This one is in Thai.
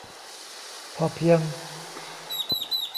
พอเพียง ?